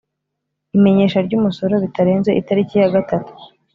imenyesha ry umusoro bitarenze itariki ya gatatu